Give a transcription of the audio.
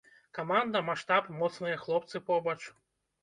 Каманда, маштаб, моцныя хлопцы побач.